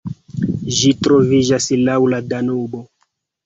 Ĝi troviĝas laŭ la Danubo.